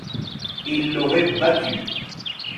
Il l'aurait battue.